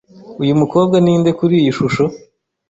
Uyu mukobwa ninde kuri iyi shusho?